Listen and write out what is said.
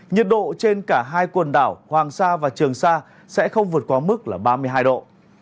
nhiệt độ trên cả hai quần đảo hoàng sa và trường sa sẽ không vượt qua mức ba mươi hai độ